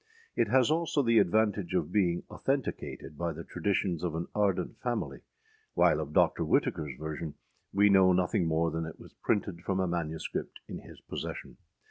It has also the advantage of being authenticated by the traditions of an ardent family; while of Dr. Whitakerâs version we know nothing more than that it was âprinted from a MS. in his possession.